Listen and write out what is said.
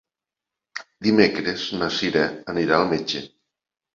Dimecres na Cira anirà al metge.